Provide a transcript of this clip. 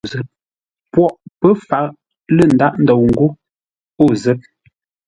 Poghʼ pə̌ fǎʼ lə́ ndághʼ ndou ńgó o zə̂t.